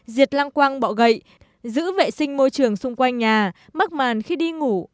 diệt lăng quăng bọ gậy giữ vệ sinh môi trường xung quanh nhà mắc màn khi đi ngủ